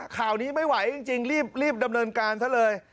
ข่าวนี้ไม่ไหวจริงรีบดำเนินการซะเลย